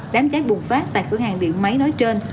đám cháy bùng phát tại cửa hàng điện máy nói trên